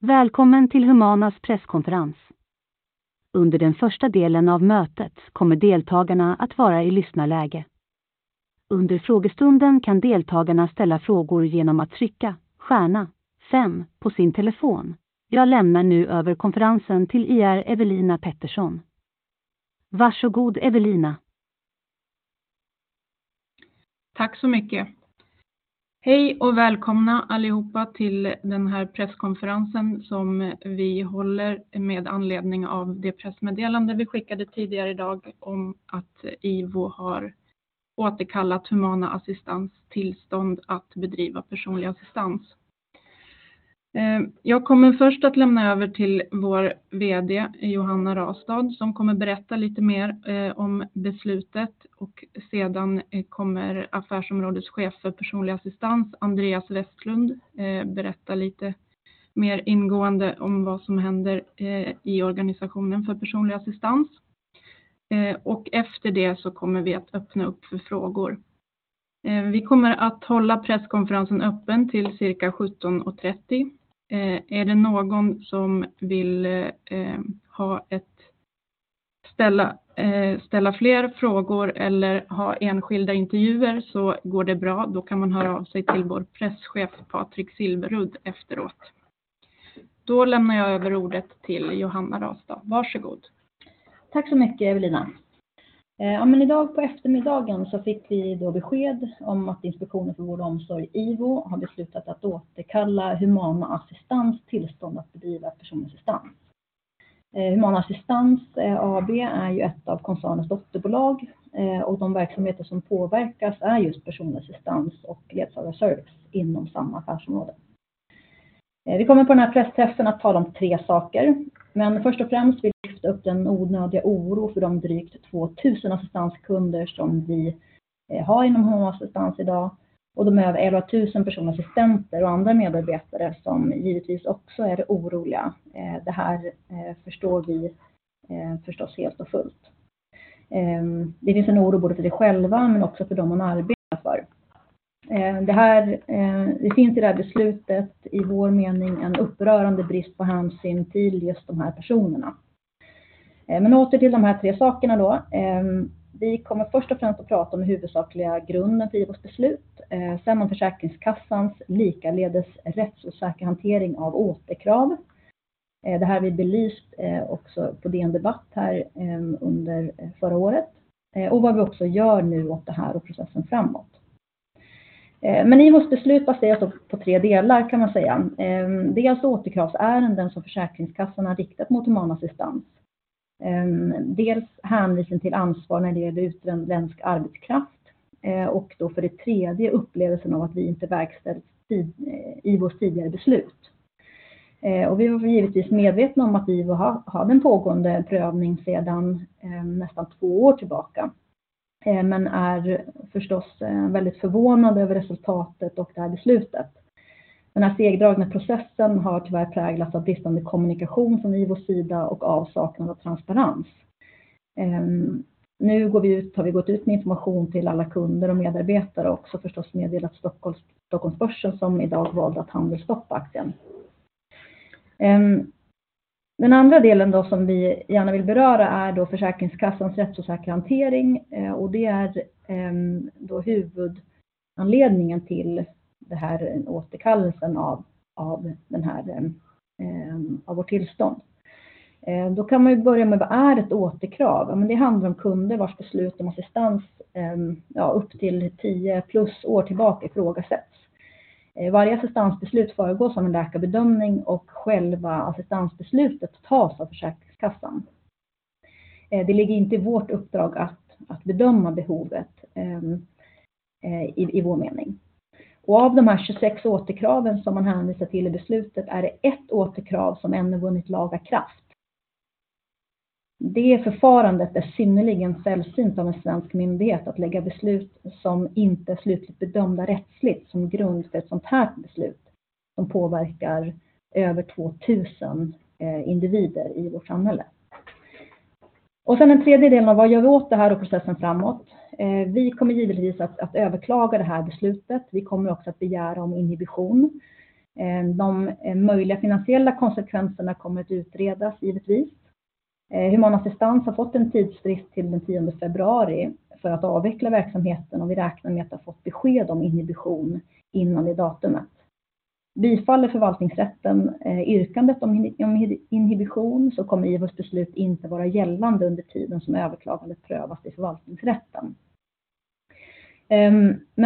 Välkommen till Humanas presskonferens. Under den första delen av mötet kommer deltagarna att vara i lyssnarläge. Under frågestunden kan deltagarna ställa frågor genom att trycka stjärna fem på sin telefon. Jag lämnar nu över konferensen till IR Ewelina Pettersson. Varsågod, Ewelina. Tack så mycket. Hej och välkomna allihopa till den här presskonferensen som vi håller med anledning av det pressmeddelande vi skickade tidigare i dag om att IVO har återkallat Humana Assistans tillstånd att bedriva personlig assistans. Jag kommer först att lämna över till vår VD Johanna Rastad, som kommer berätta lite mer om beslutet och sedan kommer Affärsområdeschef för personlig assistans, Andreas Westlund, berätta lite mer ingående om vad som händer i organisationen för personlig assistans. Efter det så kommer vi att öppna upp för frågor. Vi kommer att hålla presskonferensen öppen till cirka 17:30. Är det någon som vill ställa fler frågor eller ha enskilda intervjuer så går det bra. Man kan höra av sig till vår Presschef Patrik Silverudd efteråt. Jag lämnar över ordet till Johanna Rastad. Varsågod. Tack så mycket, Evelina. Idag på eftermiddagen så fick vi då besked om att Inspektionen för vård och omsorg, IVO, har beslutat att återkalla Humana Assistans tillstånd att bedriva personlig assistans. Humana Assistans AB är ju ett av koncernens dotterbolag, och de verksamheter som påverkas är just personlig assistans och ledsagarservice inom samma affärsområde. Vi kommer på den här pressträffen att tala om tre saker. Först och främst vill vi lyfta upp den onödiga oro för de drygt 2,000 assistanskunder som vi har inom Humana Assistans idag och de över 11,000 personassistenter och andra medarbetare som givetvis också är oroliga. Det här förstår vi förstås helt och fullt. Det finns en oro både för dig själva men också för dem man arbetar för. Det här, det finns i det här beslutet i vår mening en upprörande brist på hänsyn till just de här personerna. Åter till de här tre sakerna då. Vi kommer först och främst att prata om huvudsakliga grunden till IVO's beslut. Sen om Försäkringskassan's likaledes rättsosäker hantering av återkrav. Det här vi belyst också på DN Debatt här under förra året. Vad vi också gör nu åt det här och processen framåt. IVO's beslut baseras då på tre delar kan man säga. Dels återkravsärenden som Försäkringskassan har riktat mot Humana Assistans. Dels hänvisning till ansvar när det gäller utländsk arbetskraft. Då för det tredje upplevelsen av att vi inte verkställt IVO's tidigare beslut. Vi var givetvis medvetna om att IVO har en pågående prövning sedan nästan 2 år tillbaka, är förstås väldigt förvånade över resultatet och det här beslutet. Den här segdragna processen har tyvärr präglats av bristande kommunikation från IVO:s sida och avsaknad av transparens. Har vi gått ut med information till alla kunder och medarbetare och också förstås meddelat Stockholmsbörsen som i dag valde att handelsstoppa aktien. Den andra delen då som vi gärna vill beröra är då Försäkringskassans rättsosäker hantering, det är då huvudanledningen till det här återkallelsen av den här av vårt tillstånd. Kan man ju börja med vad är ett återkrav? Det handlar om kunder vars beslut om assistans upp till 10 plus år tillbaka ifrågasätts. Varje assistansbeslut föregås av en läkarbedömning och själva assistansbeslutet tas av Försäkringskassan. Det ligger inte i vårt uppdrag att bedöma behovet i vår mening. Av de här 26 återkraven som man hänvisar till i beslutet är det 1 återkrav som ännu vunnit laga kraft. Det förfarandet är synnerligen sällsynt av en svensk myndighet att lägga beslut som inte är slutligt bedömda rättsligt som grund för ett sånt här beslut som påverkar över 2,000 individer i vårt samhälle. Sen den tredje delen: Vad gör vi åt det här och processen framåt? Vi kommer givetvis att överklaga det här beslutet. Vi kommer också att begära om inhibition. De möjliga finansiella konsekvenserna kommer att utredas givetvis. Humana Assistans har fått en tidsfrist till den 10th February för att avveckla verksamheten och vi räknar med att ha fått besked om inhibition innan det datumet. Bifaller förvaltningsrätten yrkandet om inhibition så kommer IVO:s beslut inte vara gällande under tiden som överklagandet prövas i förvaltningsrätten.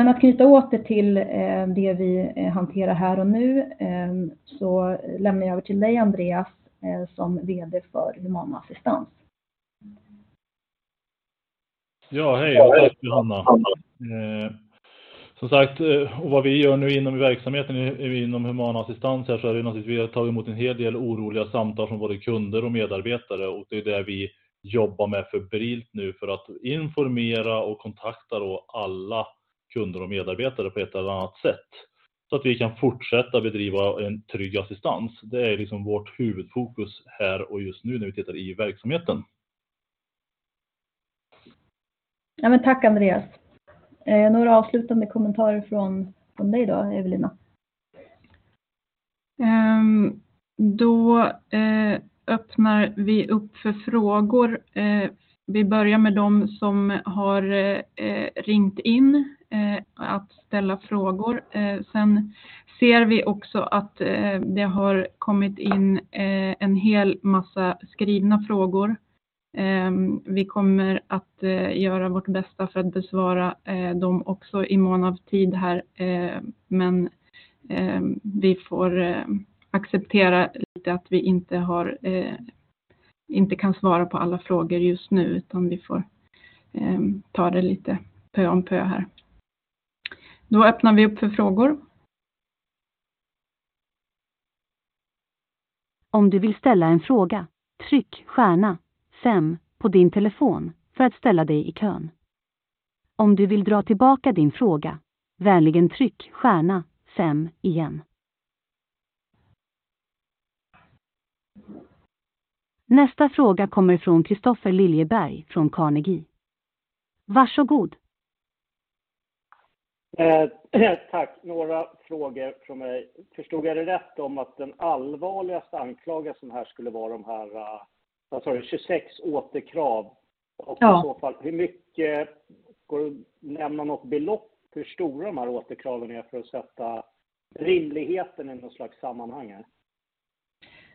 Att knyta åter till det vi hanterar här och nu, så lämnar jag över till dig, Andreas, som vd för Humana Assistans. Ja, hej. Tack, Johanna. Som sagt, vad vi gör nu inom verksamheten inom Humana Assistans här så är det naturligtvis att vi har tagit emot en hel del oroliga samtal från både kunder och medarbetare. Det är det vi jobbar med febrilt nu för att informera och kontakta då alla kunder och medarbetare på ett eller annat sätt. Vi kan fortsätta bedriva en trygg assistans. Det är liksom vårt huvudfokus här och just nu när vi tittar i verksamheten. Tack Andreas. Några avslutande kommentarer från dig då Evelina? Öppnar vi upp för frågor. Vi börjar med de som har ringt in att ställa frågor. Ser vi också att det har kommit in en hel massa skrivna frågor. Vi kommer att göra vårt bästa för att besvara dem också i mån av tid här. Vi får acceptera lite att vi inte har, inte kan svara på alla frågor just nu, utan vi får ta det lite pö om pö här. Öppnar vi upp för frågor. Om du vill ställa en fråga, tryck stjärna fem på din telefon för att ställa dig i kön. Om du vill dra tillbaka din fråga, vänligen tryck stjärna fem igen. Nästa fråga kommer från Kristofer Liljeberg från Carnegie. Varsågod. Tack. Några frågor från mig. Förstod jag det rätt om att den allvarligaste anklagelsen här skulle vara de här, vad sa du, 26 återkrav? Ja. I så fall, hur mycket går det att nämna något belopp hur stora de här återkraven är för att sätta rimligheten i något slags sammanhang här?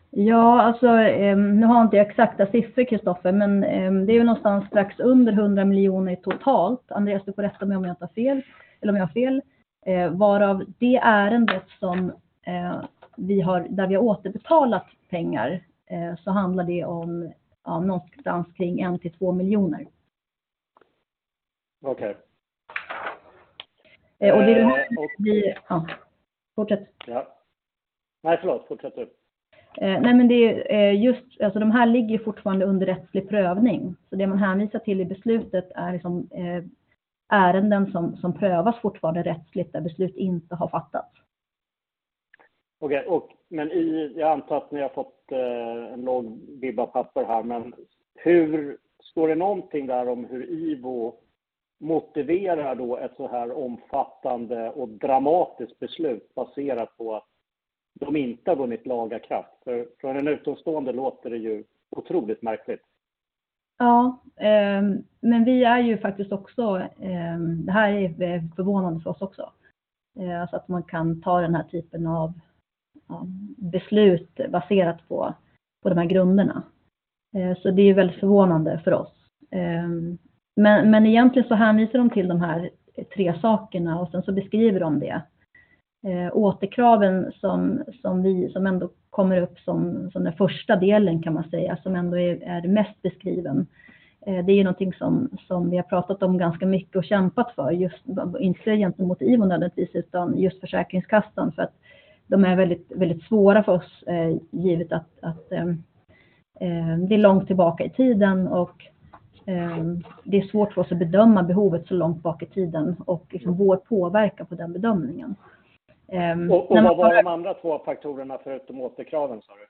Nu har inte jag exakta siffror Kristofer, men det är ju någonstans strax under 100 million totalt. Andreas du får rätta mig om jag tar fel eller om jag har fel. Varav det ärendet som vi har, där vi har återbetalat pengar så handlar det om ja någonstans kring 1-2 million. Okej. Och det vi- Och- Ja, fortsätt. Ja. Nej förlåt, fortsätt du. Det är just, alltså de här ligger ju fortfarande under rättslig prövning. Det man hänvisar till i beslutet är liksom ärenden som prövas fortfarande rättsligt där beslut inte har fattats. Okej, men i, jag antar att ni har fått en lång bibba papper här. Hur står det någonting där om hur IVO motiverar då ett så här omfattande och dramatiskt beslut baserat på att de inte har vunnit laga kraft? Från en utomstående låter det ju otroligt märkligt. Vi är ju faktiskt också. Det här är förvånande för oss också. Att man kan ta den här typen av beslut baserat på de här grunderna. Det är väldigt förvånande för oss. Egentligen så hänvisar de till de här 3 sakerna och sen så beskriver de det. Återkraven som vi, som ändå kommer upp som den första delen kan man säga, som ändå är mest beskriven. Det är någonting som vi har pratat om ganska mycket och kämpat för just inte gentemot IVO nödvändigtvis, utan just Försäkringskassan. För att de är väldigt svåra för oss givet att det är långt tillbaka i tiden och det är svårt för oss att bedöma behovet så långt bak i tiden och liksom vår påverkan på den bedömningen. vad var de andra 2 faktorerna förutom återkraven sa du?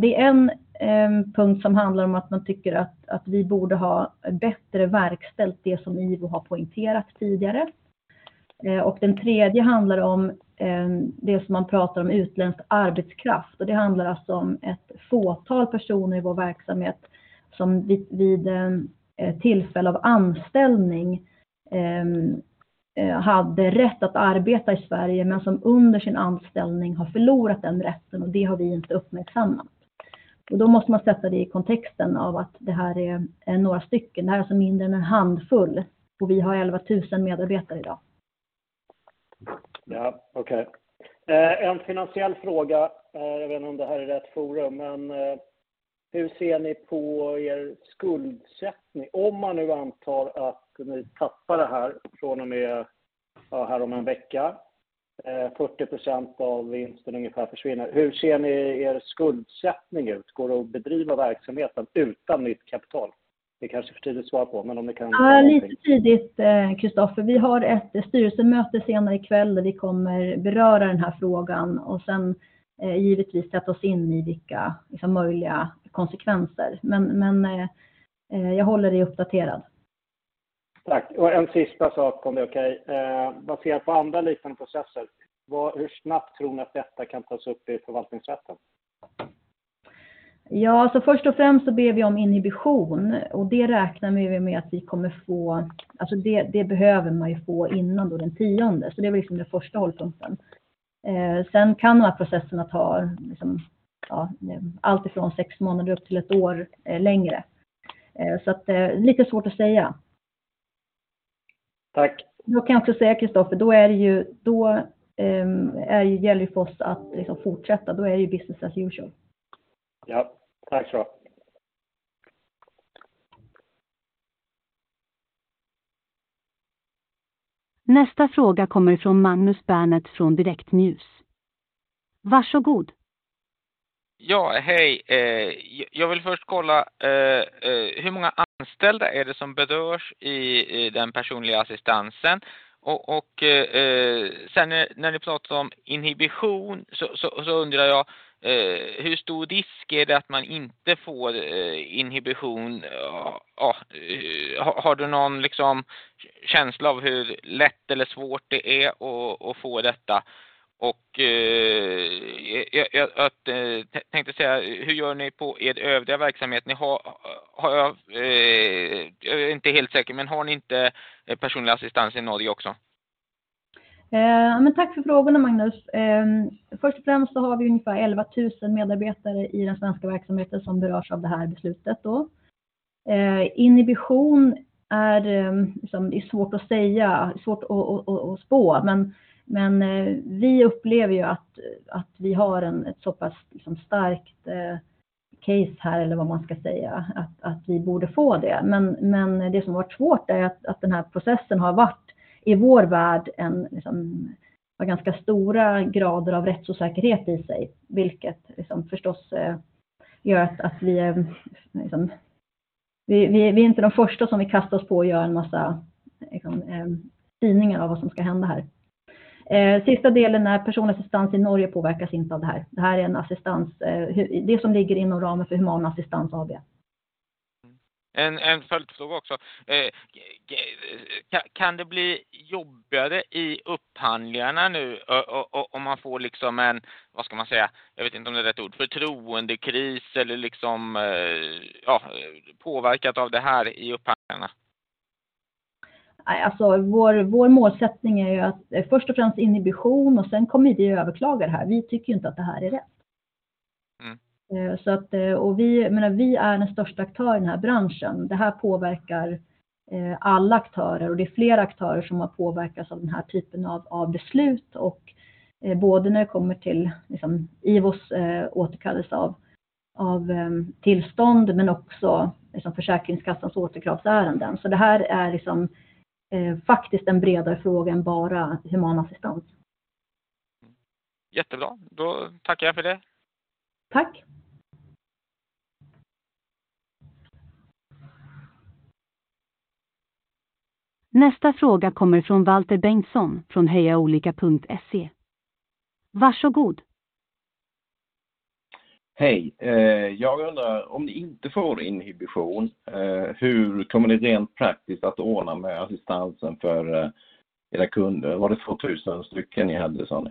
Det är en punkt som handlar om att man tycker att vi borde ha bättre verkställt det som IVO har poängterat tidigare. Den tredje handlar om det som man pratar om utländsk arbetskraft. Det handlar alltså om ett fåtal personer i vår verksamhet som vid en tillfälle av anställning hade rätt att arbeta i Sweden. Som under sin anställning har förlorat den rätten och det har vi inte uppmärksammat. Då måste man sätta det i kontexten av att det här är några stycken. Det här är alltså mindre än en handfull och vi har 11,000 medarbetare today. Ja, okej. En finansiell fråga. Jag vet inte om det här är rätt forum, men hur ser ni på er skuldsättning? Om man nu antar att ni tappar det här från och med ja härom en vecka, 40% av vinsten ungefär försvinner. Hur ser ni er skuldsättning ut? Går det att bedriva verksamheten utan nytt kapital? Det kanske är för tidigt att svara på, men om ni kan- Lite tidigt Kristofer. Vi har ett styrelsemöte senare i kväll där vi kommer beröra den här frågan och sen givetvis sätta oss in i vilka liksom möjliga konsekvenser. Jag håller dig uppdaterad. Tack. En sista sak om det är okej. Baserat på andra liknande processer, vad, hur snabbt tror ni att detta kan tas upp i förvaltningsrätten? Ja alltså först och främst så ber vi om inhibition och det räknar vi med att vi kommer få. Alltså det, det behöver man ju få innan då den tionde. Så det var liksom den första hållpunkten. Sen kan den här processen ta liksom ja allt ifrån sex månader upp till ett år längre. Så att lite svårt att säga. Tack. Kan jag också säga Christoffer, då är det ju, gäller ju för oss att liksom fortsätta. Det är ju business as usual. tack ska du ha. Nästa fråga kommer från Magnus Bernet från Nyhetsbyrån Direkt. Varsågod. Hej, jag vill först kolla hur många anställda är det som berörs i den personliga assistansen? När ni pratar om inhibition så undrar jag hur stor risk är det att man inte får inhibition? Har du någon liksom känsla av hur lätt eller svårt det är att få detta? Jag tänkte säga, hur gör ni på er övriga verksamhet? Ni har, jag är inte helt säker, men har ni inte personlig assistans i Norge också? Ja men tack för frågorna Magnus. Först och främst så har vi ungefär 11,000 medarbetare i den svenska verksamheten som berörs av det här beslutet då. Inhibition är, liksom det är svårt att säga, svårt att spå. Vi upplever ju att vi har ett så pass liksom starkt case här eller vad man ska säga, att vi borde få det. Det som varit svårt är att den här processen har varit i vår värld en liksom, ganska stora grader av rättsosäkerhet i sig, vilket liksom förstås gör att vi, liksom, vi är inte de första som vi kastar oss på och gör en massa liksom syningar av vad som ska hända här. Sista delen är personlig assistans i Norge påverkas inte av det här. Det här är en assistans, det som ligger inom ramen för Humana Assistans AB. En följdfråga också. Kan det bli jobbigare i upphandlingarna nu om man får liksom en, vad ska man säga? Jag vet inte om det är rätt ord, förtroendekris eller liksom, ja, påverkat av det här i upphandlingarna? Nej alltså, vår målsättning är ju att först och främst inhibition och sen kommer vi ju överklaga det här. Vi tycker ju inte att det här är rätt. Mm. Jag menar vi är den största aktören i den här branschen. Det här påverkar alla aktörer och det är fler aktörer som har påverkats av den här typen av beslut. Både när det kommer till liksom IVO:s återkallelse av tillstånd men också liksom Försäkringskassans återkravsärenden. Det här är liksom faktiskt en bredare fråga än bara Humana Assistans. Jättebra. Tackar jag för det. Tack. Nästa fråga kommer från Valter Bengtsson från Hejaolika.se. Varsågod. Hej, jag undrar om ni inte får inhibition, hur kommer ni rent praktiskt att ordna med assistansen för era kunder? Var det 2,000 stycken ni hade sa ni?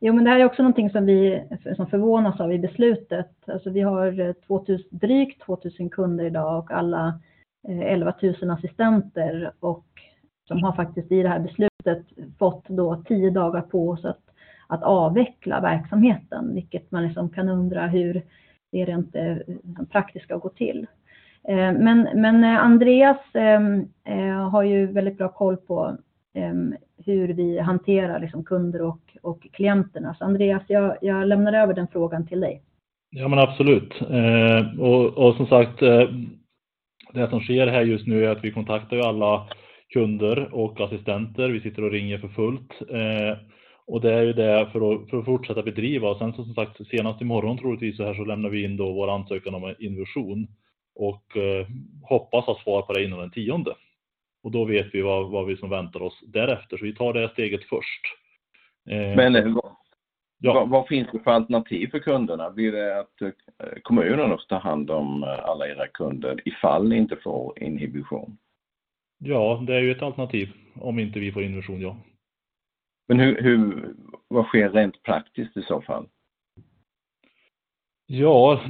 Det här är också någonting som vi, som förvånas av i beslutet. Vi har 2,000, drygt 2,000 kunder i dag och alla 11,000 assistenter. De har faktiskt i det här beslutet fått då 10 dagar på oss att avveckla verksamheten, vilket man liksom kan undra hur det rent praktiskt ska gå till. Andreas har ju väldigt bra koll på hur vi hanterar liksom kunder och klienterna. Andreas, jag lämnar över den frågan till dig. Absolut. Och som sagt, det som sker här just nu är att vi kontaktar alla kunder och assistenter. Vi sitter och ringer för fullt. Det är ju det för att fortsätta bedriva. Som sagt, senast imorgon troligtvis här så lämnar vi in då vår ansökan om inhibition och hoppas ha svar på det innan den 10th. Då vet vi vad vi som väntar oss därefter. Vi tar det steget först. Vad finns det för alternativ för kunderna? Blir det att kommunen tar hand om alla era kunder ifall ni inte får inhibition? Ja, det är ju ett alternativ om inte vi får inhibition ja. Hur, vad sker rent praktiskt i så fall?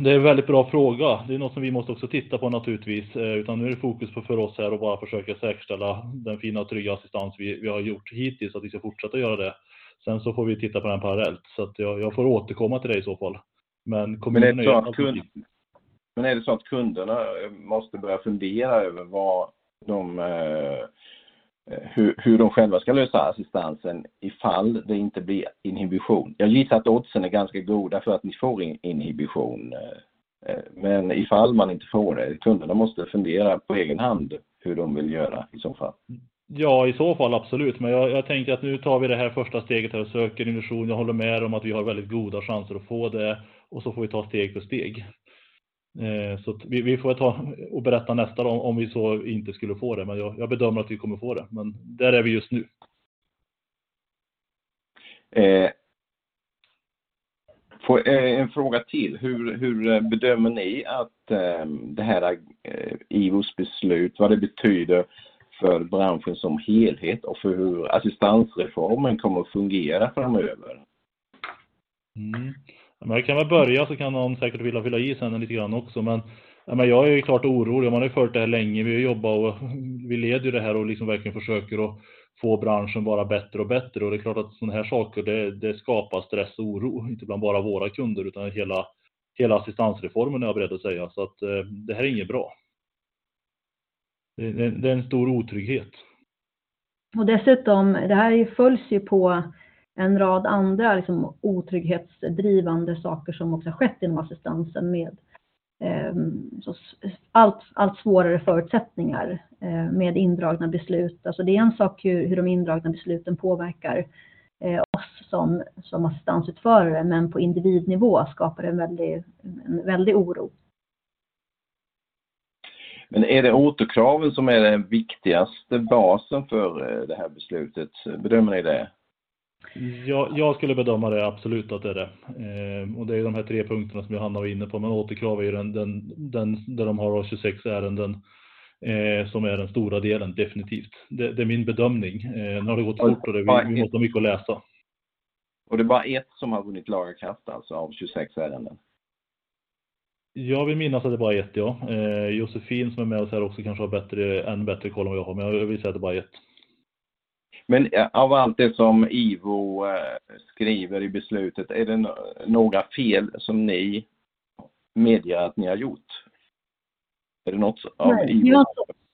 Det är väldigt bra fråga. Det är något som vi måste också titta på naturligtvis. Nu är det fokus för oss här att bara försöka säkerställa den fina trygga assistans vi har gjort hittills och vi ska fortsätta göra det. Får vi titta på den parallellt. Jag får återkomma till dig i så fall. Kommunen- Är det så att kunderna måste börja fundera över vad de, hur de själva ska lösa assistansen ifall det inte blir inhibition? Jag gissar att oddsen är ganska goda för att ni får inhibition. Ifall man inte får det, kunderna måste fundera på egen hand hur de vill göra i så fall. I så fall absolut. Jag tänker att nu tar vi det här första steget och söker inhibition. Jag håller med om att vi har väldigt goda chanser att få det och så får vi ta steg för steg. Vi får ta och berätta nästa om vi så inte skulle få det. Jag bedömer att vi kommer att få det. Där är vi just nu. En fråga till. Hur bedömer ni att det här IVO's beslut, vad det betyder för branschen som helhet och för hur assistansreformen kommer att fungera framöver? Jag kan väl börja så kan någon säkert vilja fylla i sen lite grann också. Jag är ju klart orolig. Man har ju följt det här länge. Vi jobbar och vi leder det här och liksom verkligen försöker att få branschen vara bättre och bättre. Det är klart att sådana här saker, det skapar stress och oro. Inte bland bara våra kunder utan hela assistansreformen är jag beredd att säga. Det här är inget bra. Det är en stor otrygghet. Dessutom, det här följs ju på en rad andra liksom otrygghetsdrivande saker som också har skett inom assistansen med, alltså allt svårare förutsättningar, med indragna beslut. Det är en sak hur de indragna besluten påverkar oss som assistansutförare, men på individnivå skapar det en väldig, en väldig oro. Är det återkraven som är den viktigaste basen för det här beslutet? Bedömer ni det? Ja, jag skulle bedöma det absolut att det är det. Det är de här 3 punkterna som Johanna var inne på. Återkrav är ju den där de har 26 ärenden, som är den stora delen definitivt. Det är min bedömning. Nu har det gått fort och vi måste ha mycket att läsa. Det är bara 1 som har vunnit laga kraft alltså av 26 ärenden? Jag vill minnas att det är bara ett, ja. Josefin som är med oss här också kanske har än bättre koll än vad jag har, men jag vill säga att det är bara ett. Av allt det som IVO skriver i beslutet, är det några fel som ni medger att ni har gjort?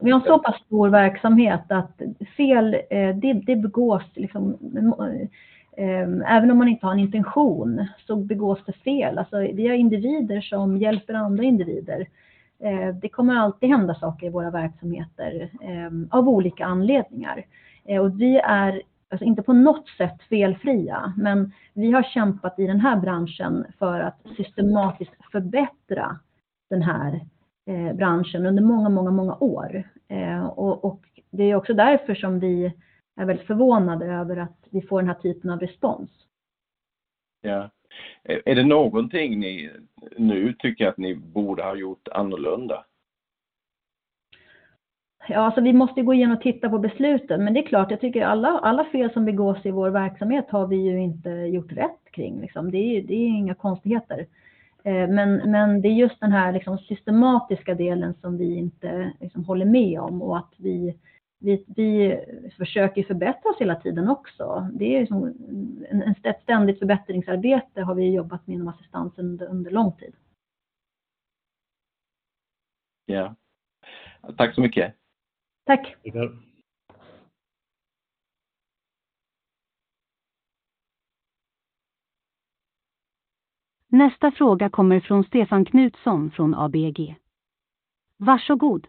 Vi har så pass stor verksamhet att fel begås. Även om man inte har en intention, så begås det fel. Vi är individer som hjälper andra individer. Det kommer alltid hända saker i våra verksamheter av olika anledningar. Vi är alltså inte på något sätt felfria, men vi har kämpat i den här branschen för att systematiskt förbättra den här branschen under många, många år. Det är också därför som vi är väldigt förvånade över att vi får den här typen av respons. Är det någonting ni nu tycker att ni borde ha gjort annorlunda? Vi måste gå igenom och titta på besluten. Det är klart, jag tycker alla fel som begås i vår verksamhet har vi ju inte gjort rätt kring liksom. Det är ju, det är inga konstigheter. Det är just den här liksom systematiska delen som vi inte liksom håller med om och att vi försöker förbättra oss hela tiden också. Det är liksom ett ständigt förbättringsarbete har vi jobbat med inom assistans under lång tid. Ja. Tack så mycket. Tack. Tackar. Nästa fråga kommer från Stefan Knutsson från ABG. Varsågod.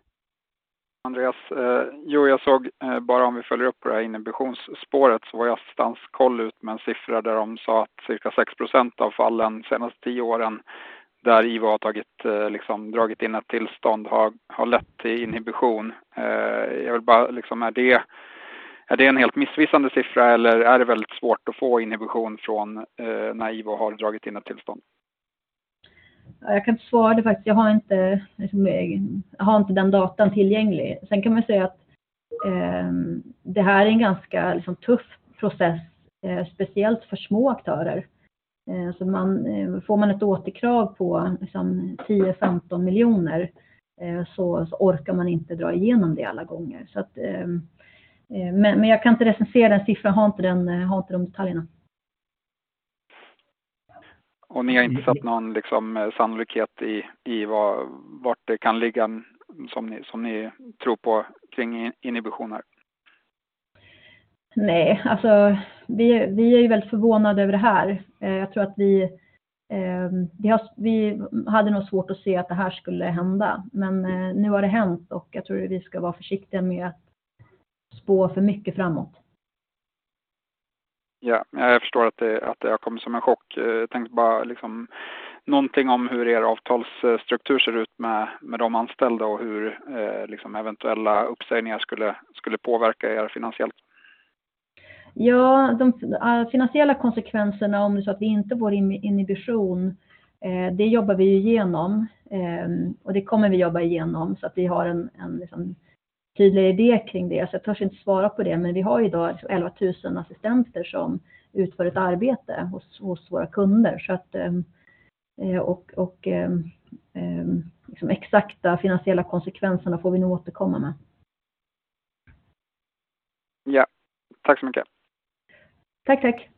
Jag såg bara om vi följer upp på det här inhibitionsspåret så var Justance koll ut med en siffra där de sa att cirka 6% av fallen de senaste 10 åren där IVO har tagit, liksom dragit in ett tillstånd har lett till inhibition. Jag vill bara liksom är det en helt missvisande siffra eller är det väldigt svårt att få inhibition från när IVO har dragit in ett tillstånd? Jag kan inte svara det faktiskt. Jag har inte, liksom, jag har inte den datan tillgänglig. Kan man säga att det här är en ganska liksom tuff process, speciellt för små aktörer. Får man ett återkrav på liksom 10 million-15 million, så orkar man inte dra igenom det alla gånger. Att jag kan inte recensera den siffran. Jag har inte den, jag har inte de detaljerna. Ni har inte satt någon liksom sannolikhet i vad, vart det kan ligga som ni, som ni tror på kring inhibitioner? Nej, alltså, vi är ju väldigt förvånade över det här. Jag tror att vi. Vi hade nog svårt att se att det här skulle hända. Nu har det hänt och jag tror vi ska vara försiktiga med att spå för mycket framåt. Jag förstår att det har kommit som en chock. Tänkte bara liksom någonting om hur er avtalsstruktur ser ut med de anställda och hur liksom eventuella uppsägningar skulle påverka er finansiellt. Alla finansiella konsekvenserna om det är så att vi inte får inhibition, det jobbar vi ju igenom, och det kommer vi jobba igenom så att vi har en liksom tydlig idé kring det. Jag törs inte svara på det, men vi har ju idag 11,000 assistenter som utför ett arbete hos våra kunder. Och liksom exakta finansiella konsekvenserna får vi nog återkomma med. Ja, tack så mycket. Tack, tack.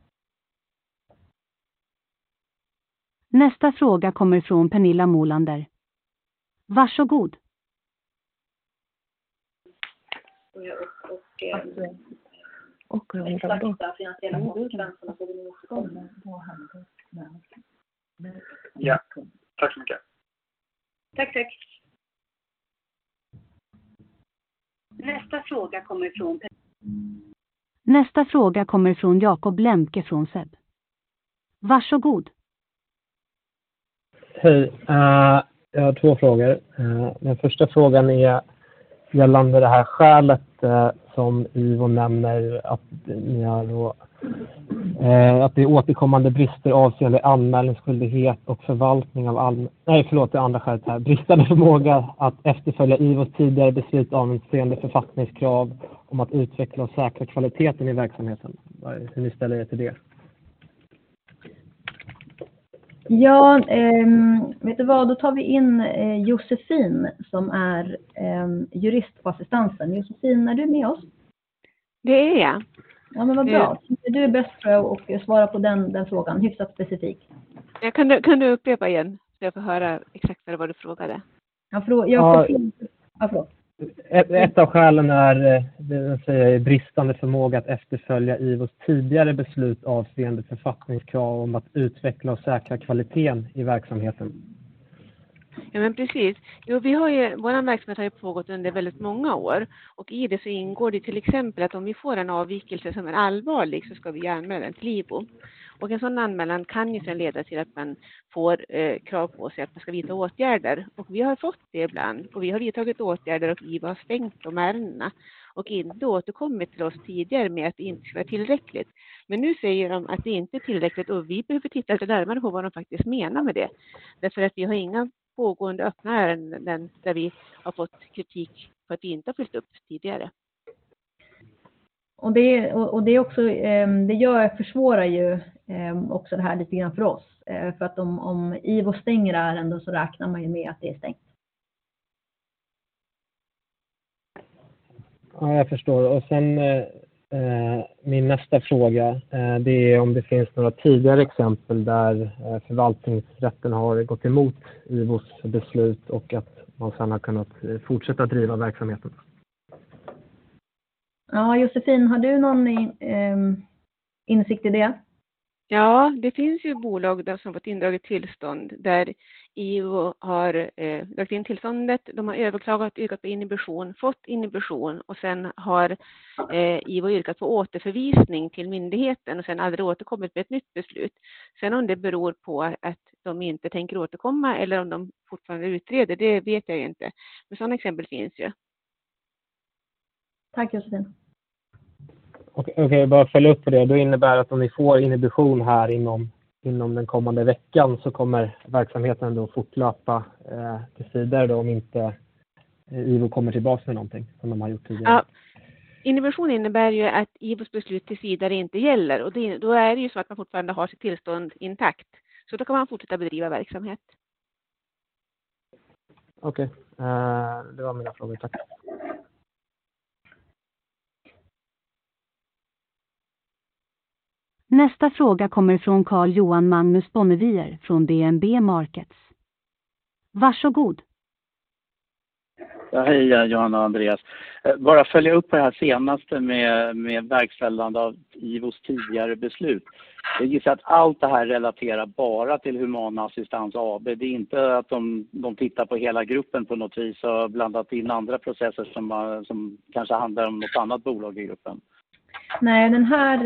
Nästa fråga kommer från Pernilla Molander. Varsågod. De exakta finansiella konsekvenserna får vi nog återkomma med. Ja, tack så mycket. Tack, tack. Nästa fråga kommer från Jacob Lemke från SEB. Varsågod. Hej, jag har två frågor. Den första frågan är gällande det här skälet som IVO nämner att ni har då, att det är återkommande brister avseende anmälningsskyldighet och förvaltning av. Nej förlåt, det andra skälet här. Bristande förmåga att efterfölja IVO:s tidigare beslut avseende författningskrav om att utveckla och säkra kvaliteten i verksamheten. Hur ni ställer er till det? Vet du vad? Då tar vi in Josefin som är jurist på Assistansen. Josefin, är du med oss? Det är jag. Vad bra. Du är bäst tror jag och svara på den frågan. Hyfsat specifik. Kan du upprepa igen så jag får höra exaktare vad du frågade? Ja, Jacob... Ja, förlåt. Ett av skälen är, det vill säga bristande förmåga att efterfölja IVO:s tidigare beslut avseende författningskrav om att utveckla och säkra kvaliteten i verksamheten. Precis. Vår verksamhet har ju pågått under väldigt många år och i det så ingår det till exempel att om vi får en avvikelse som är allvarlig så ska vi anmäla den till IVO. En sådan anmälan kan ju sen leda till att man får krav på sig att man ska vidta åtgärder. Vi har fått det ibland. Vi har ju tagit åtgärder och IVO har stängt de ärendena och inte återkommit till oss tidigare med att det inte skulle vara tillräckligt. Nu säger de att det inte är tillräckligt och vi behöver titta lite närmare på vad de faktiskt menar med det. Därför att vi har inga pågående öppna ärenden där vi har fått kritik för att vi inte har följt upp tidigare. Det också, det gör försvårar ju, också det här lite grann för oss. Om IVO stänger ärenden så räknar man ju med att det är stängt. Ja, jag förstår. Min nästa fråga, det är om det finns några tidigare exempel där, förvaltningsrätten har gått emot IVO:s beslut och att man sedan har kunnat fortsätta driva verksamheten? Josefin, har du någon insikt i det? Det finns ju bolag där som fått indraget tillstånd där IVO har dragit in tillståndet. De har överklagat, yrkat på inhibition, fått inhibition och sen har IVO yrkat på återförvisning till myndigheten och sen aldrig återkommit med ett nytt beslut. Om det beror på att de inte tänker återkomma eller om de fortfarande utreder, det vet jag inte. Sådant exempel finns ju. Tack Josefin. Okej, bara följa upp på det. Innebär det att om ni får inhibition här inom den kommande veckan så kommer verksamheten då fortlöpa tills vidare då om inte IVO kommer tillbaka med någonting som de har gjort tidigare. Ja, inhibition innebär ju att IVO:s beslut tills vidare inte gäller. Det, då är det ju så att man fortfarande har sitt tillstånd intakt. Då kan man fortsätta bedriva verksamhet. Okej, det var mina frågor. Tack! Nästa fråga kommer från Carl Johan Magnus Bonnevier från DNB Markets. Varsågod. Hej Johanna och Andreas. Bara följa upp det här senaste med verkställande av IVO:s tidigare beslut. Jag gissar att allt det här relaterar bara till Humana Assistans AB. Det är inte att de tittar på hela gruppen på något vis och blandat in andra processer som kanske handlar om något annat bolag i gruppen? Nej, den här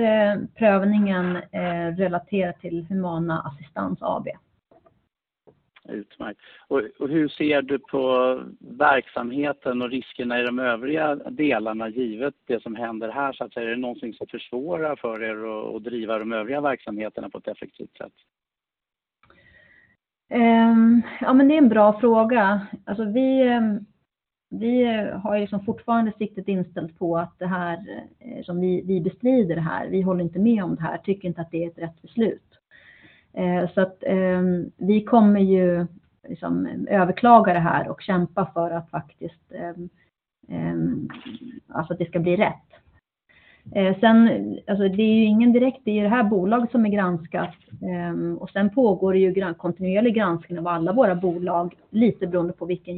prövningen, relaterar till Humana Assistans AB. Utmärkt. Hur ser du på verksamheten och riskerna i de övriga delarna givet det som händer här så att säga? Är det någonting som försvårar för er att driva de övriga verksamheterna på ett effektivt sätt? Det är en bra fråga. Vi har ju liksom fortfarande siktet inställt på att det här, som vi bestrider det här, vi håller inte med om det här, tycker inte att det är ett rätt beslut. Vi kommer ju liksom överklaga det här och kämpa för att faktiskt, att det ska bli rätt. Det är ju ingen direkt, det är ju det här bolag som är granskat. Det pågår ju kontinuerlig granskning av alla våra bolag, lite beroende på vilken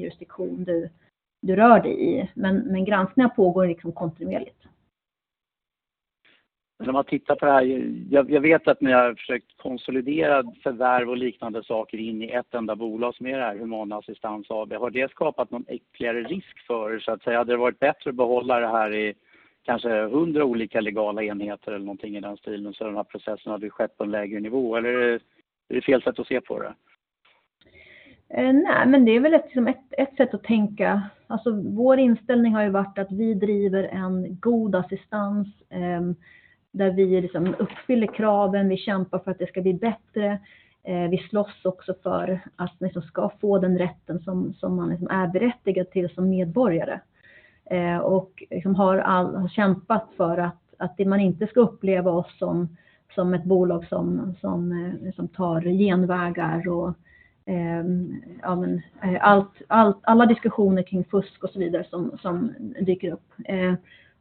jurisdiktion du rör dig i. Granskningar pågår liksom kontinuerligt. Om man tittar på det här, jag vet att ni har försökt konsolidera förvärv och liknande saker in i ett enda bolag som är det här Humana Assistans AB. Har det skapat någon ytterligare risk för er så att säga? Hade det varit bättre att behålla det här i kanske 100 olika legala enheter eller någonting i den stilen så den här processen hade skett på en lägre nivå? Eller är det fel sätt att se på det? Det är väl liksom ett sätt att tänka. Vår inställning har ju varit att vi driver en god assistans, där vi liksom uppfyller kraven. Vi kämpar för att det ska bli bättre. Vi slåss också för att man liksom ska få den rätten som man liksom är berättigad till som medborgare. Liksom har kämpat för att man inte ska uppleva oss som ett bolag som tar genvägar och, ja men allt, alla diskussioner kring fusk och så vidare som dyker upp.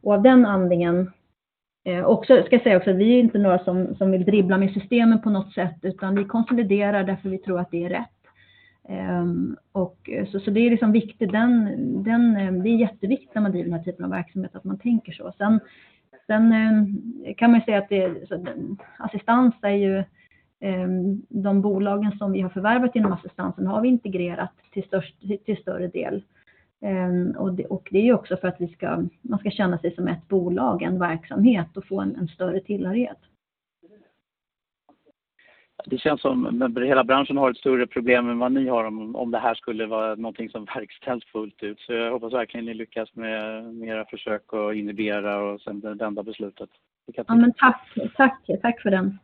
Av den anledningen... Så ska jag säga också att vi är inte några som vill dribbla med systemen på något sätt, utan vi konsoliderar därför vi tror att det är rätt. Så det är liksom viktigt. Det är jätteviktigt när man driver den här typen av verksamhet att man tänker så. Kan man ju säga att det, alltså assistans är ju, de bolagen som vi har förvärvat inom assistansen har vi integrerat till större del. Det är ju också för att vi ska, man ska känna sig som ett bolag, en verksamhet och få en större tillhörighet. Det känns som hela branschen har ett större problem än vad ni har om det här skulle vara någonting som verkställs fullt ut. Jag hoppas verkligen ni lyckas med era försök att inhibera och sen vända beslutet. Tack, tack för den.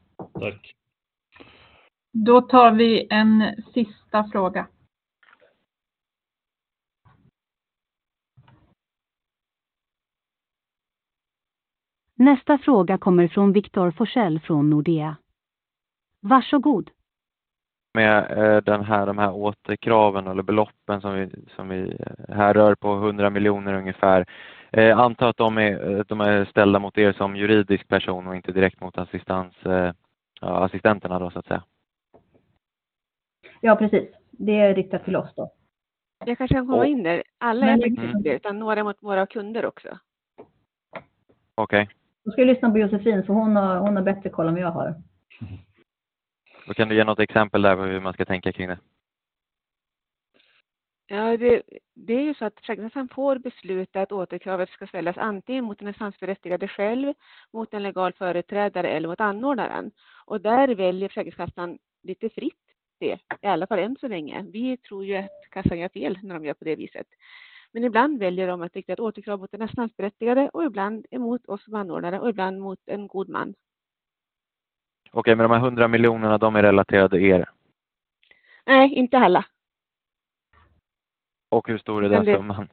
Tack. Då tar vi en sista fråga. Nästa fråga kommer från Victor Forss från Nordea. Varsågod. Med den här, de här återkraven eller beloppen som vi här rör på 100 million ungefär. Jag antar att de är ställda mot er som juridisk person och inte direkt mot assistans, assistenterna då så att säga. Precis. Det är riktat till oss då. Jag kanske kan komma in där. Alla är inte riktade mot er utan några mot våra kunder också. Okej Ska jag lyssna på Josefin för hon har, hon har bättre koll än vad jag har. Mm. Kan du ge något exempel där på hur man ska tänka kring det? Ja, det är ju så att Försäkringskassan får besluta att återkravet ska ställas antingen mot den assistansberättigade själv, mot en legal företrädare eller mot anordnaren. Där väljer Försäkringskassan lite fritt det, i alla fall än så länge. Vi tror ju att Kassan gör fel när de gör på det viset. Ibland väljer de att rikta ett återkrav mot den assistansberättigade och ibland emot oss som anordnare och ibland mot en god man. Okay, de här 100 miljonerna, de är relaterade er? Nej, inte alla. Hur stor är den summan?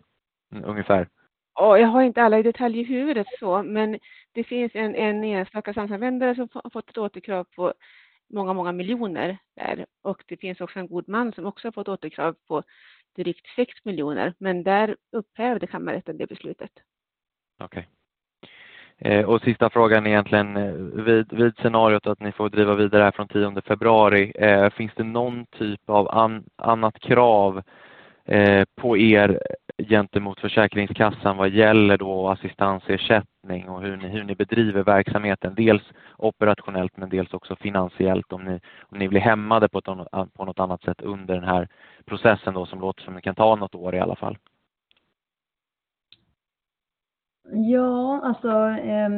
Ungefär. Jag har inte alla i detalj i huvudet så, men det finns en enstaka assistansanvändare som har fått ett återkrav på många million där. Det finns också en god man som också har fått återkrav på drygt 6 million. Där upphävde kammarrätten det beslutet. Sista frågan är egentligen vid scenariot att ni får driva vidare från tionde februari. Finns det någon typ av annat krav på er gentemot Försäkringskassan vad gäller då assistansersättning och hur ni bedriver verksamheten? Dels operationellt men dels också finansiellt. Om ni blir hämmade på ett annat, på något annat sätt under den här processen då som låter som kan ta något år i alla fall.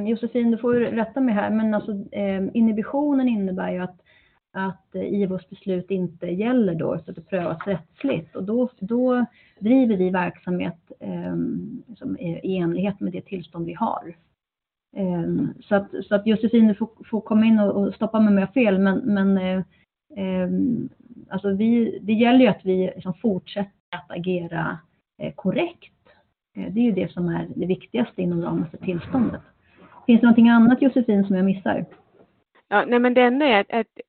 Josefin, du får rätta mig här. Inhibitionen innebär ju att IVO:s beslut inte gäller då. Det prövas rättsligt och då driver vi verksamhet som är i enlighet med det tillstånd vi har. Josefin, du får komma in och stoppa mig om jag har fel. Det gäller ju att vi liksom fortsätter att agera korrekt. Det är ju det som är det viktigaste inom ramarna för tillståndet. Finns det någonting annat Josefin som jag missar? Det är med att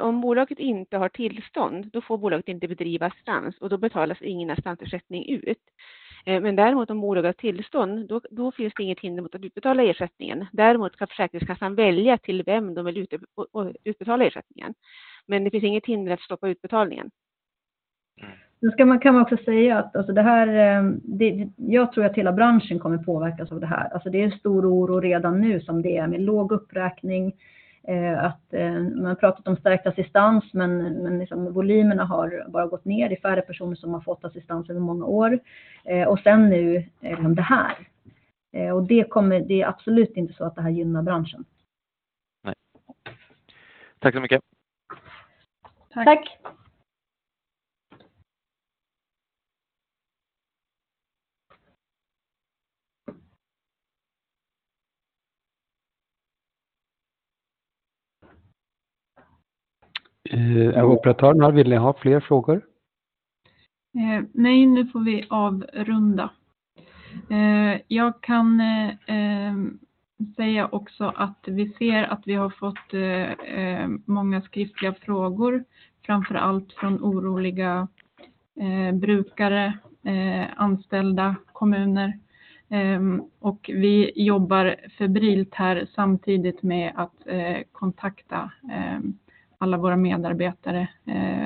om bolaget inte har tillstånd, då får bolaget inte bedriva assistans och då betalas ingen assistansersättning ut. Däremot om bolaget har tillstånd, då finns det inget hinder mot att utbetala ersättningen. Däremot kan Försäkringskassan välja till vem de vill utbetala ersättningen. Det finns inget hinder att stoppa utbetalningen. Nu kan man också säga att alltså det här, jag tror att hela branschen kommer påverkas av det här. Det är stor oro redan nu som det är med låg uppräkning. Att man pratat om stärkt assistans, men liksom volymerna har bara gått ner. Det är färre personer som har fått assistans över många år. Sen nu det här. Det kommer, det är absolut inte så att det här gynnar branschen. Nej. Tack så mycket. Tack! Tack! Operatörerna, vill ni ha fler frågor? Nej, nu får vi avrunda. Jag kan säga också att vi ser att vi har fått många skriftliga frågor, framför allt från oroliga brukare, anställda, kommuner. Vi jobbar febrilt här samtidigt med att kontakta alla våra medarbetare,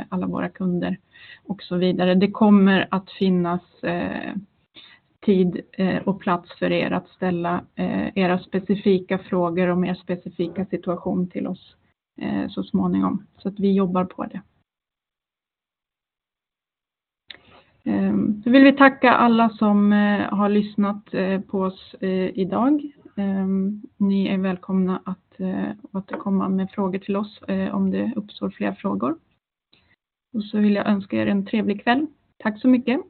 alla våra kunder och så vidare. Det kommer att finnas tid och plats för er att ställa era specifika frågor om er specifika situation till oss så småningom. Vi jobbar på det. Vi vill tacka alla som har lyssnat på oss idag. Ni är välkomna att återkomma med frågor till oss om det uppstår fler frågor. Jag vill önska er en trevlig kväll. Tack så mycket!